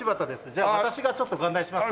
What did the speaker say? じゃあ私がちょっとご案内しますね。